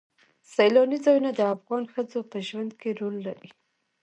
سیلانی ځایونه د افغان ښځو په ژوند کې رول لري.